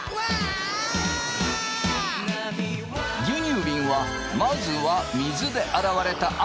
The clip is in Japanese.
牛乳びんはまずは水で洗われた